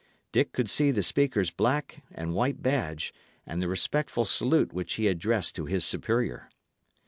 Dick could see the speaker's black and white badge, and the respectful salute which he addressed to his superior.